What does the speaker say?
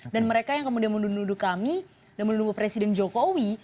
dan mereka yang kemudian menduduk duduk kami dan menduduk presiden jokowi